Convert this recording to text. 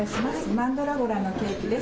マンドラゴラのケーキです。